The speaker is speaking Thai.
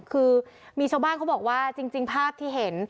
คือมีชาวบ้านเขาบอกว่าจริงภาพที่เห็น